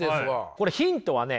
これヒントはね